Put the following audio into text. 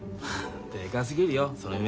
でかすぎるよその夢。